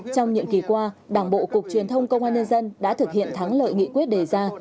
trong nhiệm kỳ qua đảng bộ cục truyền thông công an nhân dân đã thực hiện thắng lợi nghị quyết đề ra